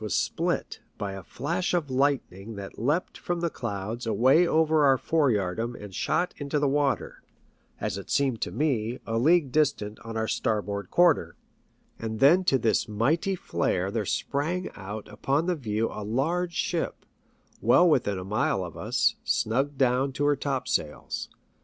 was split by a flash of lightning that leapt from the clouds away over our foreyardarm and shot into the water, as it seemed to me, a league distant on our star board quarter, and then to this mighty flare there sprang out upon the view a large ship, well within a mile of us, snugged down to her topsails.